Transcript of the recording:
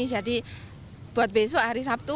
jadi buat besok hari sabtu